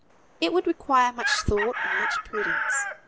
It would require much thought and much prudence.